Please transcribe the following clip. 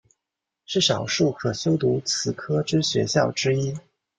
是少数可修读此科之学校之一。